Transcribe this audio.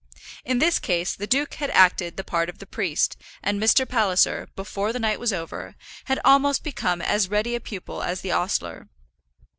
In this case, the duke had acted the part of the priest, and Mr. Palliser, before the night was over, had almost become as ready a pupil as the ostler.